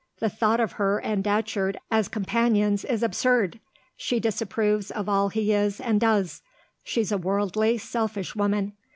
The thought of her and Datcherd as companions is absurd. She disapproves of all he is and does. She's a worldly, selfish woman.